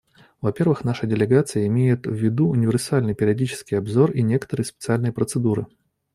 Во-первых, наша делегация имеет в виду универсальный периодический обзор и некоторые специальные процедуры.